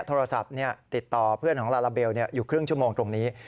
โทรศัพท์ติดต่อเพื่อนของลาลาเบลอยู่ครึ่งชั่วโมงตรงนี้